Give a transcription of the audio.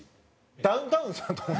ダウンタウンさんと同じ？